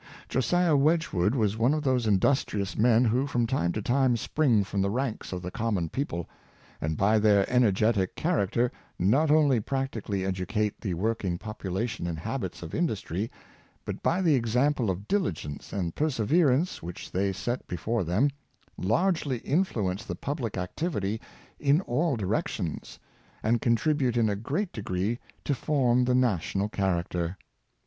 Josiah Wedgwood was one of those industrious men who from time to time spring from the ranks of the common people, and by their energetic character not only practically^ educate the working population in habits of industry, but by the example of diligence and perseverance which they set before them, largely influ ence the public activity in all directions, and contribute in a great degree to form the national character.